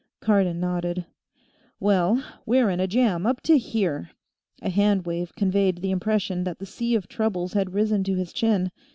Cardon nodded. "Well, we're in a jam up to here." A handwave conveyed the impression that the sea of troubles had risen to his chin.